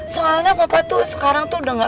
beneran mana lu udah ngeri suaranya